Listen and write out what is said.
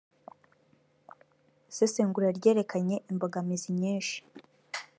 isesengura ryerekanye imbogamizi nyishii